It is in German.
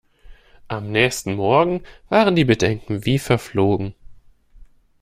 Am nächsten Morgen waren die Bedenken wie verflogen.